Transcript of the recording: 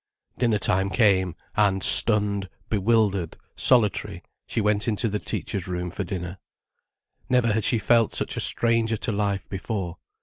Dinner time came, and stunned, bewildered, solitary, she went into the teachers' room for dinner. Never had she felt such a stranger to life before.